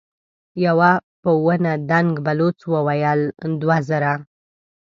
يوه په ونه دنګ بلوڅ وويل: دوه زره.